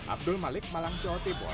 abdul malik malang jawatibor